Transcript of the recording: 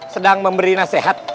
sedang memberi nasihat